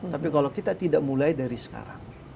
tapi kalau kita tidak mulai dari sekarang